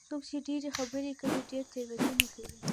څوک چې ډېرې خبرې کوي، ډېرې تېروتنې کوي.